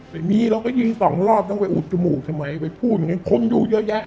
ไม่มีเราก็ยิงสองรอบต้องไปอุดจมูกทำไมไปพูดไงคนดูเยอะแยะ